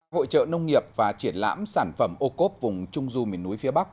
hội trợ nông nghiệp và triển lãm sản phẩm ô cốp vùng trung du miền núi phía bắc